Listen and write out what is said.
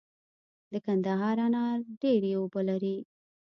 د کندهار انار ډیرې اوبه لري.